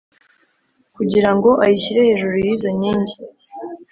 kugira ngo ayishyire hejuru y’izo nkingi